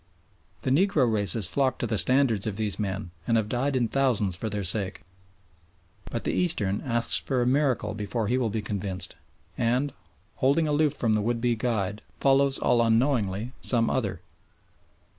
The negro races flock to the standards of these men and have died in thousands for their sake, but the Eastern asks for a miracle before he will be convinced, and, holding aloof from the would be guide, follows all unknowingly some other.